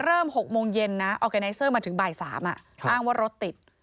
เริ่มหกโมงเย็นนะมาถึงบ่ายสามอ่ะค่ะอ้างว่ารถติด